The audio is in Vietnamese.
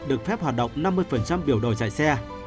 được phép hoạt động năm mươi biểu đồ giải xe